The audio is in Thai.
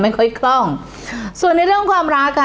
ค่อยคล่องส่วนในเรื่องความรักอ่ะ